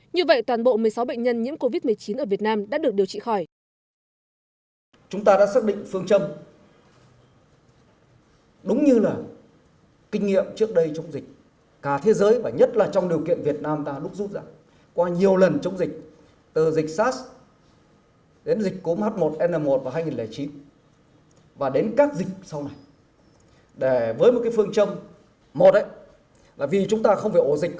như vậy toàn bộ một mươi sáu bệnh nhân nhiễm covid một mươi chín ở việt nam đã được điều trị khỏi